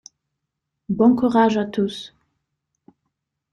Bon courage à tous.